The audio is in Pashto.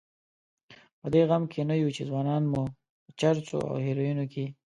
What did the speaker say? په دې غم کې نه یو چې ځوانان مو په چرسو او هیرویینو کې.